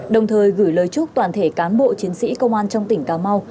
đồng thời gửi lời chúc toàn thể cán bộ chiến sĩ công an trong tỉnh cà mau